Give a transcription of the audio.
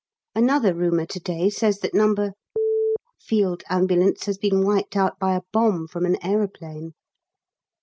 Another rumour to day says that No. Field Ambulance has been wiped out by a bomb from an aeroplane.